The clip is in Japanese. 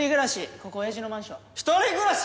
ここおやじのマンション一人暮らし⁉